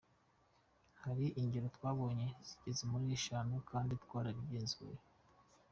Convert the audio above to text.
Hari ingero twabonye zigeze muri eshanu kandi twarabigenzuye.